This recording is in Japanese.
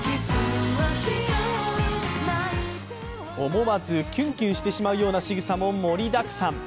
思わずキュンキュンしてしまうようなしぐさも盛りだくさん。